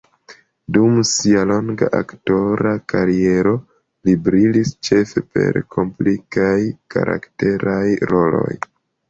Dum sia longa aktora kariero li brilis ĉefe per komplikaj karakteraj roloj.